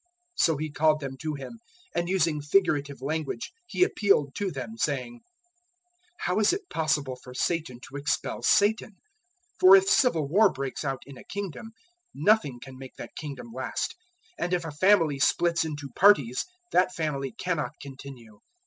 003:023 So He called them to Him, and using figurative language He appealed to them, saying, "How is it possible for Satan to expel Satan? 003:024 For if civil war breaks out in a kingdom, nothing can make that kingdom last; 003:025 and if a family splits into parties, that family cannot continue.